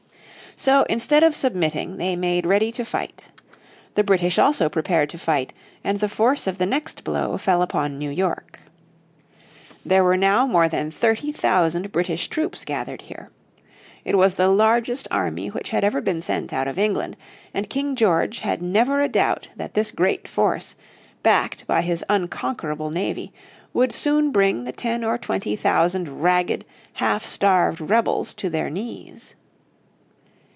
So instead of submitting they made ready to fight. The British also prepared to fight, and the force of the next blow fell upon New York. There were now more than thirty thousand British troops gathered here. It was the largest army which had ever been sent out of England, and King George had never a doubt that this great force, backed by his unconquerable navy, would soon bring the ten or twenty thousand ragged, half starved rebels to their knees.